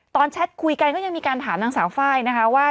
แชทคุยกันก็ยังมีการถามนางสาวไฟล์นะคะว่า